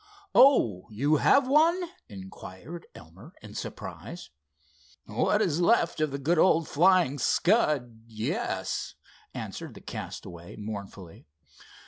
"Oh, you have one?" inquired Elmer in surprise. "What is left of the good old Flying Scud, yes," answered the castaway, mournfully.